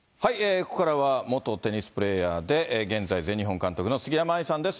ここからは元テニスプレーヤーで、現在、全日本監督の杉山愛さんです。